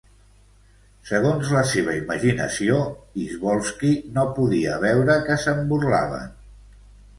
Segons la seva imaginació, Izvolsky no podia veure que se'n burlaven.